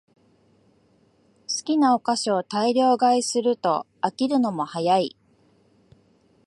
好きなお菓子を大量買いすると飽きるのも早い